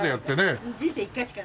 人生１回しかない。